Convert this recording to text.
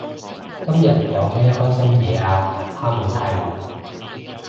今日有咩開心嘢啊哈姆太郎？